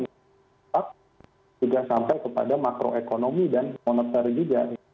tetap juga sampai kepada makroekonomi dan moneter juga